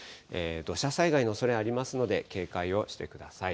土砂災害のおそれがありますので警戒をしてください。